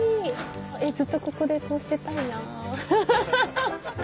ずっとここでこうしてたいなフフフ！